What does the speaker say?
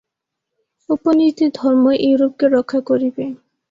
উপনিষদের ধর্মই ইউরোপকে রক্ষা করিবে।